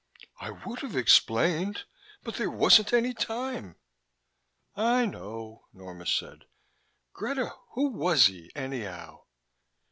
"I would have explained. But there wasn't any time." "I know," Norma said. "Greta, who was he, anyhow?"